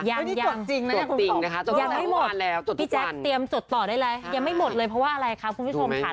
ยังนะคะยังไม่หมดจดพี่แจ๊คเตรียมจดต่อได้เลยยังไม่หมดเลยเพราะว่าอะไรคะคุณผู้ชมค่ะ